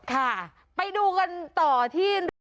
ค่ะไปดูกันต่อที่